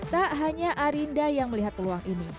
tak hanya arinda yang melihat peluang ini